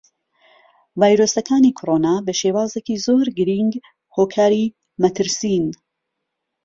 ڤایرۆسەکانی کۆڕۆنا بەشێوازێکی زۆر گرینگ هۆکاری مەترسین.